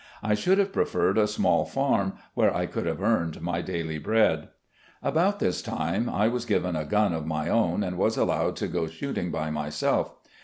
I should have preferred a small farm, where I could have earned my daily bread." About this time I was given a gun of my own and was allowed to go shooting by myself.